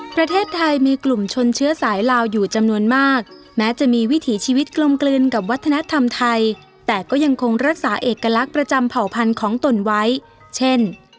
ประเทศไทยมีกลุ่มชนเชื้อสายลาวอยู่จำนวนมากแม้จะมีวิถีชีวิตกลมกลืนกับวัฒนธรรมไทยแต่ก็ยังคงรักษาเอกลักษณ์ประจำเผ่าพันธุ์ของตนไว้เช่น